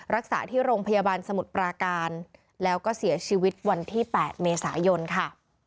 รักษาที่โรงพยาบาลสมุทรปราการแล้วก็เสียชีวิตวันที่๘เมษายนค่ะ